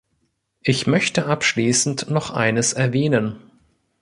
Ich möchte abschließend noch eines erwähnen.